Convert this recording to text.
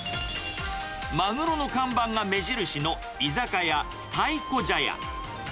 マグロの看板が目印の居酒屋、たいこ茶屋。